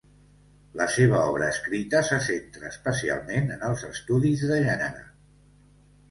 La seva obra escrita se centra, especialment, en els estudis de gènere.